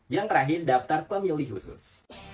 yang terakhir daftar pemilih khusus